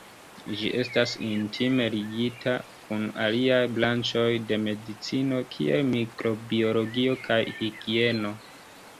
Ĝi estas intime ligita kun aliaj branĉoj de medicino, kiel mikrobiologio kaj higieno.